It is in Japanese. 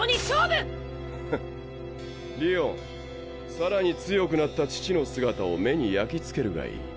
さらに強くなった父の姿を目に焼き付けるがいい。